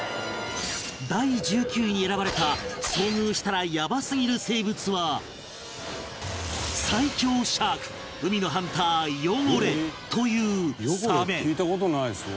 第１９位に選ばれた遭遇したらヤバすぎる生物は最恐シャーク海のハンターヨゴレというサメ